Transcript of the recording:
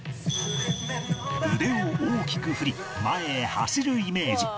腕を大きく振り前へ走るイメージ